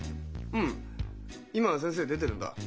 うん今先生出てるんだ。